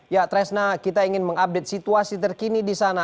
ya tresna kita ingin mengupdate situasi terkini di sana